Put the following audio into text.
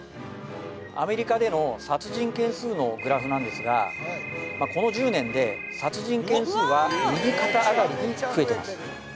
アメリカでの殺人件数のグラフなんですがまあこの１０年で殺人件数は右肩上がりに増えてます